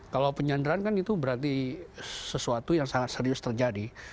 kalau penyanderaan kan itu berarti sesuatu yang sangat serius terjadi